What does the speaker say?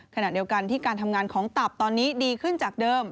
ขณะเดียวกันที่การทำงานของตับตอนนี้ดีขึ้นจากเดิม